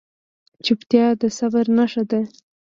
چپتیا، د صبر نښه ده.